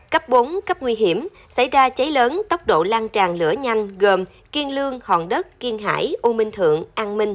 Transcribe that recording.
cấp bốn cấp nguy hiểm xảy ra cháy lớn tốc độ lan tràn lửa nhanh gồm kiên lương hòn đất kiên hải u minh thượng an minh